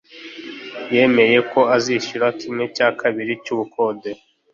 yemeye ko azishyura kimwe cya kabiri cy'ubukode